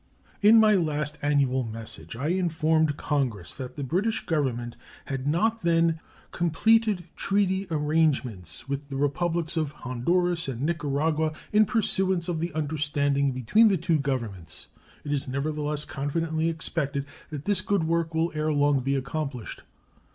In my last annual message I informed Congress that the British Government had not then "completed treaty arrangements with the Republics of Honduras and Nicaragua in pursuance of the understanding between the two Governments. It is, nevertheless, confidently expected that this good work will ere long be accomplished."